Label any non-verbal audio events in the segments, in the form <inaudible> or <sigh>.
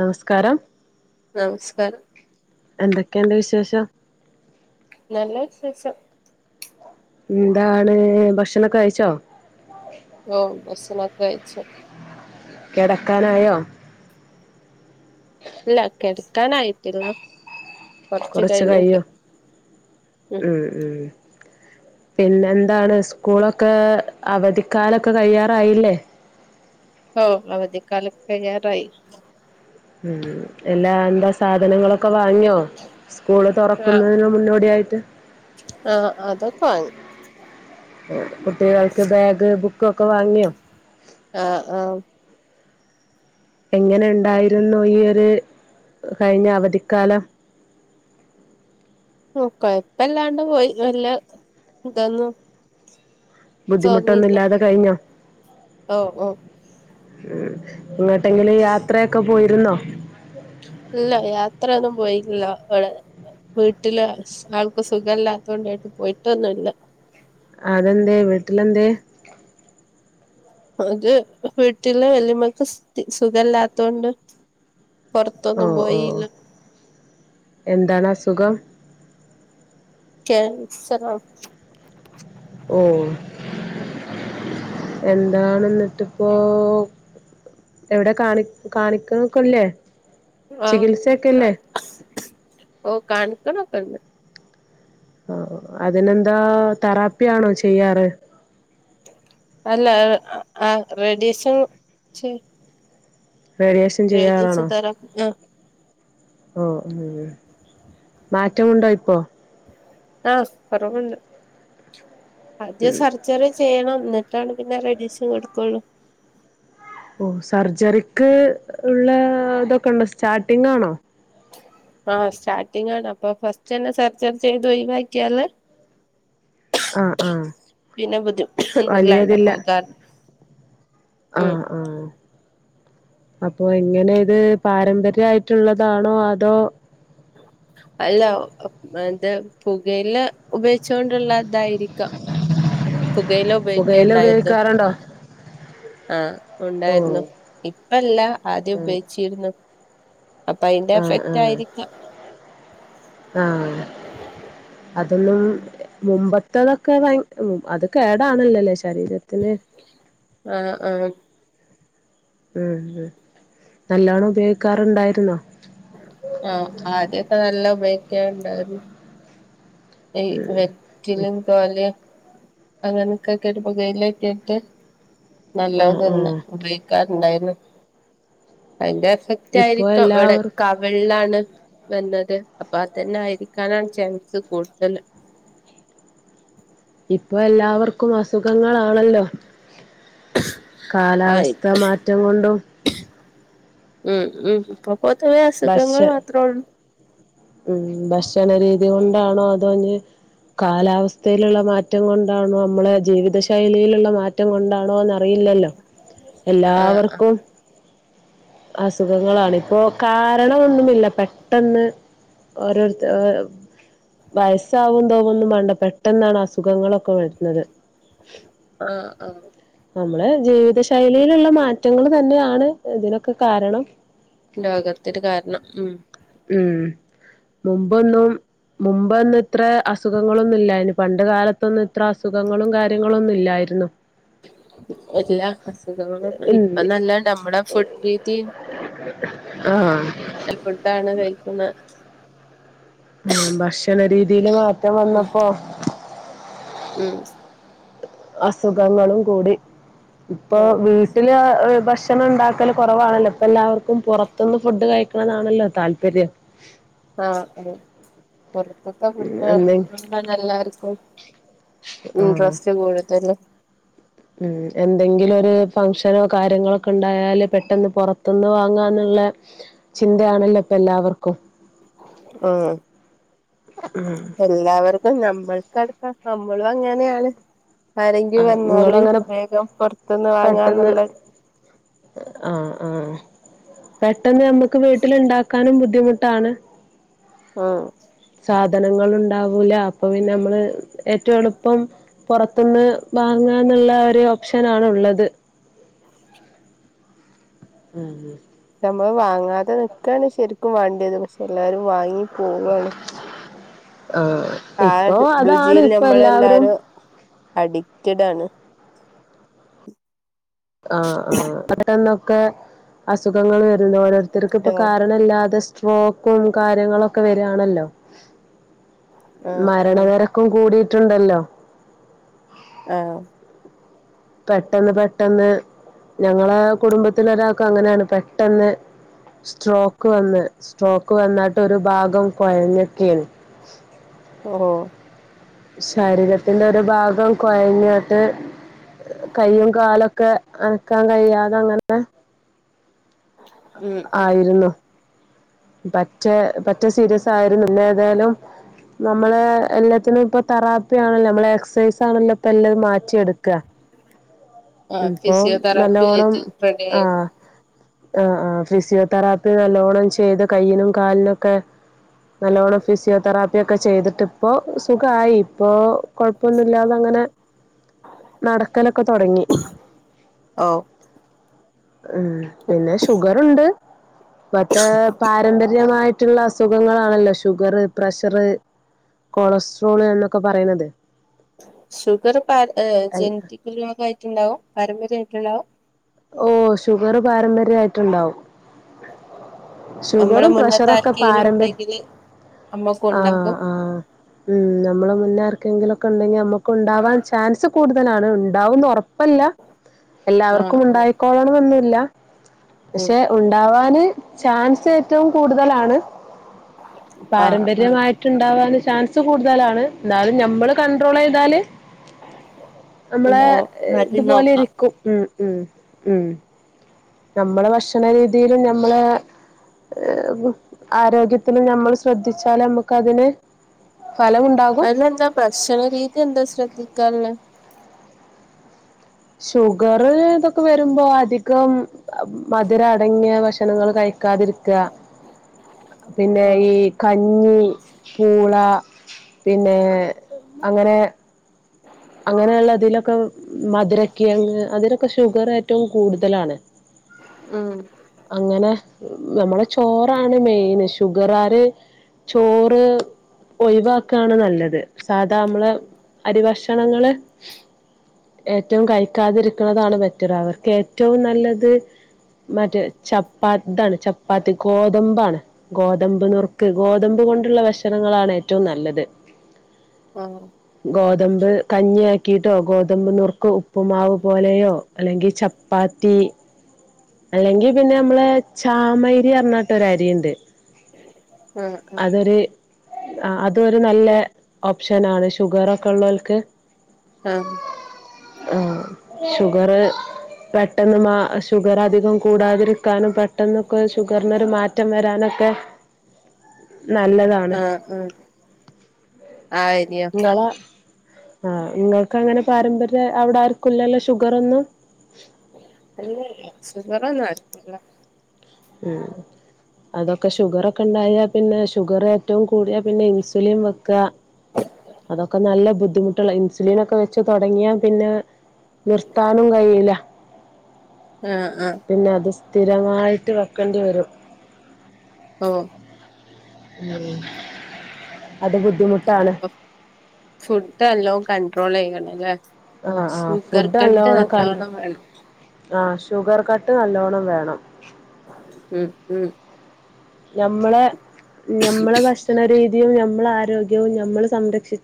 നമസ്കാരം നമസ്കാരം എന്തൊക്കെയണ്ട് വിശേഷം നല്ല വിശേഷം എന്താണ് ഭക്ഷണൊക്കെ കഴിച്ചോ ഓ ബസനൊക്കെ കഴച്ച കിടക്കാനായോ ഇല്ല കിടക്കാൻ ആയിട്ടില്ല കുറച്ചു കഴിയും ഉം പിന്നെന്താണ് സ്കൂളൊക്കെ അവധിക്കാലൊക്കെ കഴിയാറായില്ലേ ഹ അവധിക്കാല കഴിയാറായി ഉം എല്ലാ എന്താ സാധനങ്ങളൊക്കെ വാങ്ങിയോ സ്കൂള് ആഹ് തുറക്കുന്നതിന് മുന്നോടിയായിട്ട് ആഹ് അതൊക്കൊ വാങ്ങി കുട്ടികൾക്ക് ബാഗ് ബുക്ക ഒക്കെ വാങ്ങിയോ ആഹ് ആഹ് എങ്ങനെ ഉണ്ടായിരുന്നുഈ ഒരു കഴിഞ്ഞ അവധിക്കാലം ഉം കുഴപ്പമില്ലാതെ ഇല്ലാണ്ട് പോയി വല്യ ഇതന്നു ബുദ്ധിമുട്ടൊന്നുല്ലാതെ കഴിഞ്ഞോ ഓ ഓ എങ്ങട്ടെങ്കിലും യാത്രയൊക്കെ പോയിരുന്നോ ഇല്ല യാത്രൊന്നും പോയില്ല അവിടെ വീട്ടില് ആൾക്ക് സുഖല്ലാത്ത കൊണ്ടായിട്ട് പോയിട്ടൊന്നുമില്ല അതെന്തേ വീട്ടിലെന്തേ അത് വീട്ടില വെല്ലമ്മക്ക് സുഖല്ലാത്തൊണ്ട് ഓ ഓ എന്താണസുഖം കേൻ--സറാണ് ഓ എന്താണെന്നിട്ടിപ്പോ എവിടെ കാണി കാണിക്കുന്നക്കല്ലേ ആ ക ഓ കാണിക്ക്ണൊക്കെണ്ട് ആ അതിനെന്താ തെറാപ്പിയാണോ ചെയ്യാറ് അല്ല ആ റേഡിയേഷൻ ചെയ് റേഡിയേഷൻ ചെയ്യാറാണോ തെറാപ്പി ആ ഓ ഉം മാറ്റമുണ്ടോ ഇപ്പോ ആ, കൊറവുണ്ട് ആദ്യം സർജറി ചെയ്യണം എന്നി ട്ടാണ് പിന്നെ റേഡിയേശൻ കൊടുക്കുള്ളൂ. ഓ സർജറിക്ക് ഉള്ളതൊക്കെ ഉണ്ടോ? സ്റ്റാർട്ടിംഗാണോ? ആ സ്റ്റാർട്ടിങ് ആണ്, അപ്പൊ ഫസ്റ്റന്നെ സർജറി ചെയ്ത് ഒയിവാക്കിയാല് ആഹ് ആഹ് പിന്നെ ബുദ്ധി'' <unintelligible> ആ ആ അപ്പൊ എങ്ങനെ ഇത് പാരമ്പര്യായിട്ടുള്ളതാണോ? അതോ? അല്ല, മറ്റേ പുകയില ഉപയിച്ചോണ്ട്ള്ള ഇതായിരിക്കാം. പുകയില പുകയില ഉപയോഗിക്കേണ്ടായിരുന്നോ? ഉപയോഗിക്കാറുണ്ടോ ആ ഓ ഉണ്ടായിരുന്നു, ഇപ്പല്ല ആദ്യം ഉപയോഗിച്ചിരുന്നു. അപ്പൊ അയിന്റെ ആ എഫക്റ്റ് ആആ ആയിരിക്കാം ആ അതൊന്നും മുമ്പത്തതൊക്കെ ഭ അത് കേടാണല്ലോ ശ ശരീരത്തിന്. ആ ആ ഉം-ഉം-നല്ലോണം ഉപയോഗിക്കാറുണ്ടായിരുന്നോ? ആ, ആദ്യക്കെ നല്ല ഉപയോഗിക്കാറുണ്ടായിരുന്നു. വെ ഉം വെറ്റിലിം, പൊലെം ' <unintelligible> ' ഒരു പുകയിലക്കെയിട്ട്, നല്ലത് ആഹ് തന്നെ, ആഹ് ഉപയോഗിക്കാറുണ്ടായിരുന്നു. അതിന്റെ എഫക്റ്റ് ഇപ്പൊ ആയിരിക്കാം, ഇവിടെ എല്ലാവർ കവിളാണ് വന്നത്, അപ്പൊ അതന്നെ ആയിരിക്കാനാണ് ചാൻസ് കൂടുതൽ. ഇപ്പൊ എല്ലാവർക്കും അസുഖങ്ങളാണല്ലോ. കാലാവസ്ഥ മാറ്റം കൊണ്ടും. ഉം-ഉം-ഇപ്പൊ പൊതുവേ അസുഖങ്ങൾ ഭക്ഷ്യ മാത്രേള്ളൂ. ഉം, ഭക്ഷണരീതി കൊണ്ടാണോ അതോ ഇഞ്ഞ് കാലാവസ്ഥയിലുള്ള മാറ്റം കൊണ്ടാണോ, നമ്മളെ ജീവിത ശൈലിയിലുള്ള മാറ്റം കൊണ്ടാ ണോന്നറിയില്ലല്ലോ ആഹ് ആഹ് എല്ലാവർക്കും അസുഖങ്ങളാണ്. ഇപ്പോ കാരണമെന്നുമില്ല പെട്ടെന്ന്, ഓരോര്ത്ത വയസ്സാവതോന്നും വേണ്ട, പെട്ടെന്നാണ് അസുഖങ്ങളൊക്കെ വരുന്നത്. ആ ആ നമ്മളെ ജീവിത ശൈലിയിലുള്ള മാറ്റങ്ങൾ തന്നെയാണ് ഇതിനൊക്കെ കാരണം. രോഗത്തിന് കാരണം ഉം. ഉം, മുമ്പൊന്നും മുമ്പൊന്നും ഇത്ര അസുഖങ്ങളൊന്നുല്ലായിനു. പണ്ട് കാലത്തൊന്നും ഇത്ര അസുഖങ്ങളും കാര്യങ്ങളൊന്നും ഇല്ലാ യിരുന്നു. എല്ലാ അസുഖങ്ങളും ഇപ്പം നല്ലണ്ട്, നമ്മുടെ ഫുഡ് രീതിയും, ആഹ. ഫുഡാണ് കഴിക്കുന്ന. ഉം... ഭക്ഷണ രീതിയിൽ മാറ്റം ഉം വന്നപ്പോ, ഉം... അസുഖങ്ങളും കൂടി, ഇപ്പൊ ആഹ് വീട്ടിൽ ഭക്ഷ ഭക്ഷണം ഉണ്ടാക്കല് കുറവാണല്ലോ, ഇപ്പോ എല്ലാവർക്കും പുറത്തുന്ന് ഫുഡ്കഴിക്കണതാണല്ലോ താല്പര്യം. ആഹ്... അതേ, പുറത്ത്ത്തെ ഫുഡാ എന്തെ എല്ലാവർക്കും ആഹ് ഇൻട്രസ്റ്റ് കൂടുതൽ. ഉം... എന്തെങ്കിലും ഒരു ഫങ്ഷനോ കാര്യങ്ങളൊക്കെ ഉണ്ടായാൽ പെട്ടെന്ന് പുറത്തുന്ന് വാങ്ങാന്നുള്ള ചിന്തയാണല്ലോ ഇപ്പ എല്ലാവർക്കും. ആഹ്... എല്ലാവർക്കും നമ്മൾക്കടുക്കാം നമ്മളും അങ്ങനെയാണ്. ആരെങ്കില് ആഹ് വന്നാല് നിങ്ങളങ്ങനെ വേഗം പൊറത്തുന്ന് വാങ്ങാന്നുള്ള, ആഹ-ആഹ - പെട്ടെന്ന് നമ്മുക്ക് വീട്ടിലുണ്ടാക്കാനും ബുദ്ധിമുട്ടാണ് ആഹ് സാധനങ്ങള് ഉണ്ടാവൂല്ല അപ്പൊപിന്നെ നമ്മള് ഏറ്റവും എളുപ്പം പുറത്തുന്ന് വാങ്ങ ന്നുള്ള ഒരു ഓപ്ഷൻ ആണുള്ളത് ഉം ഉം നമ്മള് വാങ്ങാതെ നിക്കയാണ് ശരിക്കും വേണ്ടിയത് പക്ഷെ എല്ലാരും വാങ്ങി പോവുവയാണ് ആഹ് ആ ഇപ്പൊ അതാണ് രുചിയിൽ ഇപ്പൊ ഞമ്മള് എല്ലാവരും എല്ലാരും അഡിക്റ്റഡ് ആണ് ആഹ് ആഹ് പെട്ടന്നൊക്കെ അസുഖങ്ങൾ വരുന്നു ഓരോരുത്തർക്ക് ഇപ്പ ട്ടോ കാരണല്ലാതെ സ്ട്രോക്കും കാര്യങ്ങളൊക്കെ വരിയാണല്ലോ ആഹ് മരണ ആഹ് നിരക്കും കൂടിയിട്ടുണ്ടല്ലോ ആഹ് പെട്ടെന്ന് പെട്ടെന്ന് ഞങ്ങളെ കുടുംബത്തില ഒരാൾക്കും അങ്ങനെയാണ് പെട്ടെന്ന് സ്ട്രോക്ക് വന്ന് സ്ട്രോക്ക് വന്നിട്ട് ഒരു ഭാഗം കുഴഞ്ഞക്കീൻ ഓ ശരീരത്തിന്റെ ഒരു ഭാഗം കുഴഞ്ഞോട്ട് കയ്യും കാലൊക്കെ അനക്കാൻ കഴിയാതെ അങ്ങന ഉം ഉം ആയിരുന്നു പറ്റേ പറ്റേ സീരിയസ് ആയിരുന്നു പിന്നെ ഏതായാലും നമ്മള് എല്ലാത്തിനും ഇപ്പൊ തെറാപ്പി ആണല്ലോ നമ്മളെ എക്സർസൈസ് ആണല്ലോ ഇപ്പ എല്ലാം മാറ്റിയെടുക്ക ആഹ് ഇപ്പൊ ഫിസിയോതെറാപ്പി നല്ലോണം ആയിട്ട് റെഡി ആയി ആഹ് ആഹ് ആ ഫിസിയോതെറാപ്പി നല്ലോണ്ണം ചെയ്ത് കൈയ്യിനും കാലിനൊക്കെ നല്ലോണ്ണം ഫിസിയോതെറാപ്പിയൊക്കെ ചെയ്തിട്ട് ഇപ്പോ സുഖമായി ഇപ്പോ കൊഴപ്പൊന്നുമില്ലാത അങ്ങനെ നടക്കലൊക്കെ തുടങ്ങി ഓ ഉം പിന്നെ ഷുഗർണ്ട് മറ്റേ ര്യമായിട്ടുള്ള അസുഖങ്ങളാണല്ലോ ഷുഗർ പ്രഷർ കൊളസ്ട്രോള് എന്നൊക്കെ പറയുന്നത് ഷുഗർ ഇപ ജനറ്റിക്കൽ രോഗായിട്ടുണ്ടാവും പാരമ്പര്യമായിട്ടുണ്ടാവും ഓ ഷുഗർ പാരമ്പര്യയിട്ട്ണ്ടാവും നമ്മള് ഷുഗറും മുന്നത്തെ പ്രഷറും ഒക്കെ ആർക്കെങ്കിലും പാരമ്പര്യ ഉണ്ടെങ്കില് അമ്മക്കും ആഹ് ഉണ്ടാക്കും ആഹ് ഉം നമ്മള് മുന്നേ ക്കെങ്കിലൊക്കെ ഉണ്ടെങ്കിൽ നമുക്ക് ഉണ്ടാവാൻ ചാൻസ് കൂടുതലാണ് ഉണ്ടാവുന്ന് ഉറപ്പ് കുഴപ്പല്ല എല്ലാവർക്കും ആഹ് ആഹ് ഉണ്ടായിക്കോളണംമന്നുമില്ല ഉം പക്ഷെ ഉണ്ടവാന് ചാൻസ് ഏറ്റവും കൂടുതലാണ് ആഹ് ആഹ് പാരമ്പര്യമായിട്ട് ഉണ്ടവാൻ ചാൻസ് കൂടുതലാണ് എന്നാലും നമ്മള് കൺണ്ട്രോൾ ചെയ്താല് നമ്മളെ ഉണ്ടാവും അത് ഇതുപോലെ നോക്കാം ഇരിക്കും ഉം ഉം ഉം നമ്മള് ഭക്ഷണരീതിയിലും നമ്മളെ ആരോഗ്യത്തിന് നമ്മള് ശ്രദ്ധിച്ചാല് നമുക്ക് അതിന് ഫലമുണ്ടാകും അയി ല്ലെന്താ ഭക്ഷണ രീതി എന്താ ശ്രദ്ധിക്കാള്ള് ഷുഗർ ഇതൊക്കെ വരുമ്പോ അധികം മധുരം അടങ്ങിയ ഭക്ഷണങ്ങൾ കഴി ക്കാതിരിക്ക പിന്നെ ആഹ് ഈ കഞ്ഞി പൂള പിന്നെ അങ്ങനെ അങ്ങനെയുള്ളതിലൊക്കെ മധുരക്കിഴങ്ങ് അതിലൊക്കെ ഷുഗർ ഏറ്റവും കൂടുതലാണ് ഉം അങ്ങനെ നമ്മള് ചോറാണ് മെയിൻ ഷുഗർ ആര് ചോറ് ഒഴിവാക്കയാണ് നല്ലത്സാധാ നമ്മള് അരി ഭക്ഷണങ്ങള് ഏറ്റവും കഴിക്കാതിരിക്കുന്നതാണ് ബെറ്ററ് അവർക്ക് ഏറ്റവും നല്ലത് മറ്റേ ചപ്പാ ഇതാണ് ചപ്പാത്തി ഗോതമ്പാണ് ഗോതമ്പ് നുർക്ക് ഗോതമ്പ് അതുകൊണ്ടുള്ള ഭക്ഷണങ്ങളാണ് ഏറ്റവും നല്ലത് <unintelligible> കഞ്ഞിയാക്കിയിട്ടോഗോതമ്പ്നുറുക്ക് ഉപ്പുമാവ് പോലെയോ അല്ലെങ്കിൽ ചപ്പാത്തി അല്ലെങ്കി പിന്നെ നമ്മളെ ചാമരി എന്നിട്ട് ഒരു അരിയുണ്ട് ആ ആ അതൊരു ആ അതൊരു നല്ല ഓപ്ഷനാണ് ഷുഗറൊക്കെ ഉള്ളവർക്ക് ആ ആ ഷുഗർ പെട്ടെന്ന് മാ ഷു ഷുഗർ അധികം കൂടാതിരിക്കാനും പെട്ടെന്നൊക്കെ ഷുഗറിനൊരു മാറ്റം വരാനൊക്കെ ത്തെ നല്ലതാണ്ങ്ങളെ ആഹ് ആഹ് ആഹ് ആ അരിയോ ആ നിങ്ങൾക്ക് അങ്ങനെ പാരമ്പര്യ അവിടെ ആർക്കുല്ലല്ലോ ഷുഗർ ഒന്നും അല്ല അല്ല സുഖറ് ഒന്നും ആർക്കുല്ല ഉം അതൊക്കെ ഷുഗറൊക്കെ ഉണ്ടായാൽ പിന്നെഷുഗർ ഏറ്റവും കൂടിയ പിന്നെ ഇൻസുലിൻ വെക്കുക അതൊക്കെ നല്ല ബുദ്ധി ബുദ്ധിമുട്ടുള്ള ഇൻസുലിൻ ഒക്കെ വെച്ച് തുടങ്ങിയാ പിന്നെ നിർത്താനും കഴിയില്ല ആ ആ പിന്നെ അത് സ്ഥിരമായിട്ട് വെക്കേണ്ടിവരും ഓ അത് ബുദ്ധിമു ഫുഡ് എല്ലോ കൺട്രോൾ യ്യണം ല്ലേ ആ ആ ഫുഡ് നല്ലോണം കണ്ട വേണം ആ ഷുഗർ കട്ട് നല്ലോണ്ണം വേണം ഉം ഉം നമ്മളെ ഞമ്മളെ ഭക്ഷണ രീതി നമ്മള ആരോഗ്യവും നമ്മൾ സംരക്ഷി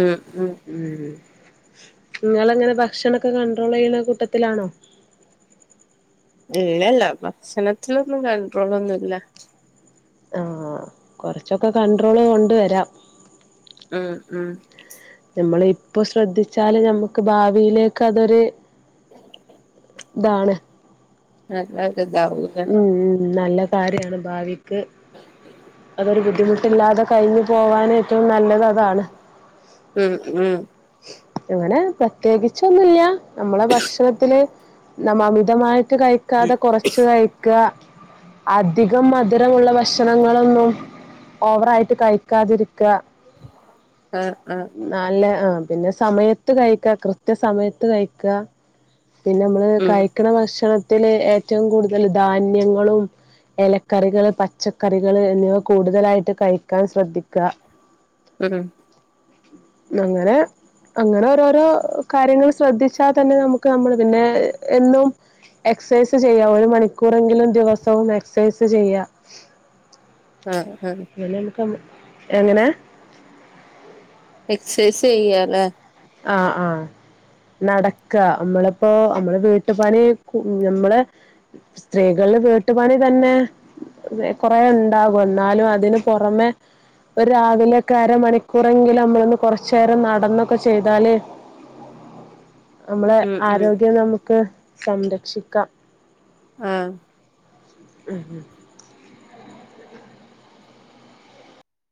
ഉം ഉം നിങ്ങ ങ്ങനെ ഭക്ഷണൊക്കെ കണ്ട്ടോൾ ചെയ്യുന്ന കൂട്ടത്തിലാണോ ഇല്ലല്ല ഭക്ഷണത്തിലൊന്നും കൺട്രോളൊന്നുല്ല ആഹ കൊറച്ചൊക്കെ കണ്ട്ട്രോള് കൊണ്ട് വരാം ഉം ഉം നമ്മള ഇപ്പോ ശ്രദ്ധിച്ചാല് നമ്മുക്ക് ഭാവിയിലേക്ക് അതൊരു ഇതാണ് <unintelligible> ഉം ഉ നല്ല കാര്യാണ് ഭാവിക്ക് <unintelligible> ഒരു ബുദ്ധിമുട്ടില്ലാതെ കഴിഞ്ഞു പോകാന് ഏറ്റവും നല്ലത് അതാണ്. ഉം ഉം അങ്ങനെ പ്രത്യേകിച്ചൊന്നുമില്ല നമ്മളെ ഭക്ഷണത്തില് ന അമിതമായി കഴിക്കാതെ കുറച്ച് കഴി അധികം മധുരമുള്ള ഭക്ഷണങ്ങളൊന്നും ഓവറായിട്ട് കഴിക്കാതിരിക്കുക. ആഹ് ആഹ് ന്നല് ആ പിന്നെ സമയത്ത് കഴിക്ക, കൃത്യ സമയത്ത് കഴിക്ക. പിന്നെ നമ്മള് ഉം കഴിക്കണ ഭക്ഷണത്തില് ഏറ്റവും കൂടുതൽ ധാന്യങ്ങളും. ഇലക്കറികള്, പച്ചക്കറികള് എന്നിവ കൂടുതലായിട്ട് കഴിക്കാൻ ശ്രദ്ധിക്കുക. ഉം അങ്ങനെ അങ്ങനെ ഓരോരോ... കാര്യങ്ങൾ ശ്രദ്ധിച്ചാൽ തന്നെ നമുക്ക് നമ്മൾ പിന്നെ... എന്നും എക്സസൈസ് ചെയ്യാ ഒരു മണിക്കൂറെങ്കിലും ദിവസവും എക്സസൈസ് ചെയ്യ ആഹ ആഹ. ആം എങ്ങനെ.. എക്സൈസ് ചെയ്യാലെ ആഹ ആഹ.. നടക്ക മ്മള്പ്പോ... അമ്മള് വീട്ടുപണി.... അമ്മള് സ്ത്രീകൾ. വീട്ടുപണി തന്നെ..... കൊറേണ്ടാകും എന്നാലും അതിന് പുറമെ. ഒരു രാവിലെ ക്കെ അരമണിക്കൂറെങ്കിലും അമ്മളോന്ന് കുറചേരം നടന്നൊക്കെ ചെയ്താല് അമ്മളെ ഉം ഉം ആരോഗ്യം നമുക്ക് സംരക്ഷിക്കാം. ആഹ ഉം ഉ